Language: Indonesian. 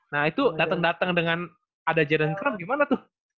nah itu dateng dateng dengan ada jaren kram gimana tuh